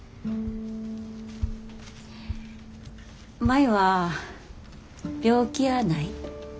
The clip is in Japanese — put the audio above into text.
舞は病気やない。